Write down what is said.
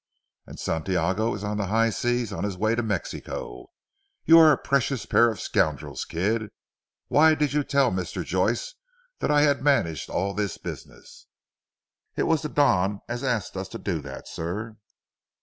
"And Santiago is on the high seas on his way to Mexico. You are a precious pair of scoundrels Kidd. Why did you tell Mr. Joyce that I had managed all this business?" "It was the Don as asked us to do that sir."